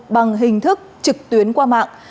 bằng hình thức trực tuyến qua mạng